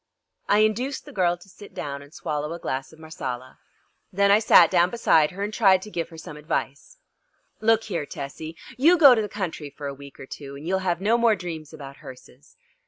I induced the girl to sit down and swallow a glass of Marsala. Then I sat down beside her, and tried to give her some advice. "Look here, Tessie," I said, "you go to the country for a week or two, and you'll have no more dreams about hearses.